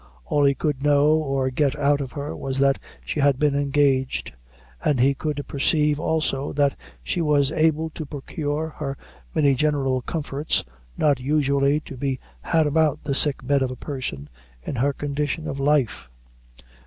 All he could know or get out of her was, that she had been engaged; and he could perceive also, that she was able to procure her many general comforts, not usually to be had about the sick bed of a person in her condition of life.